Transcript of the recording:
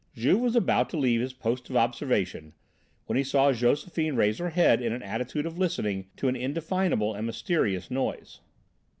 Juve was about to leave his post of observation when he saw Josephine raise her head in an attitude of listening to an indefinable and mysterious noise.